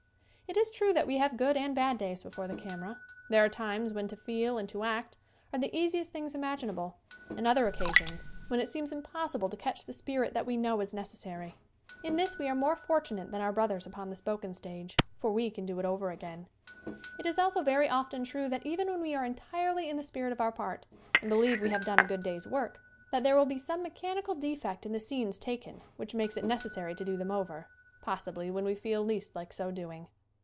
It is true that we have good and bad days before the camera. There are times when to feel and to act are the easiest things imaginable and other occasions when it seems impossible 80 SCREEN ACTING to catch the spirit that we know is necessary. In this we are more fortunate than our broth ers upon the spoken stage, for we can do it over again. It is also very often true that even when we are entirely in the spirit of our part, and be lieve we have done a good day's work, that there will be some mechanical defect in the scenes taken which makes it necessary to do them over, possibly when we feel least like so doing.